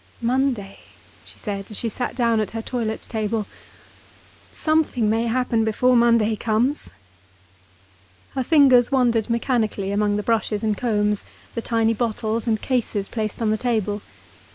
"Monday!" she said, as she sat down at her toilet table. "Something may happen before Monday comes!" Her fingers wandered mechanically among the brushes and combs, the tiny bottles and cases placed on the table.